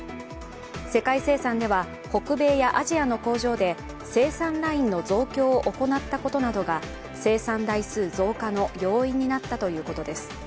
世界生産では北米やアジアの工場で生産ラインの増強を行ったことなどが、生産増加の要因ということです。